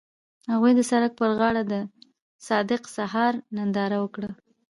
هغوی د سړک پر غاړه د صادق سهار ننداره وکړه.